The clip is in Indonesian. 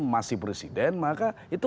masih presiden maka itu